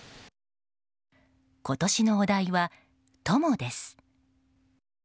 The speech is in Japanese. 今年のお題は「友」です。